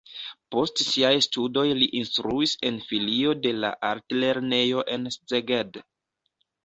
Post siaj studoj li instruis en filio de la altlernejo en Szeged.